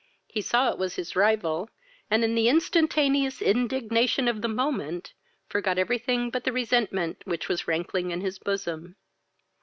He saw it was his rival, and, in the instantaneous indignation of the moment, forgot every thing but he resentment which was rankling in his bosom.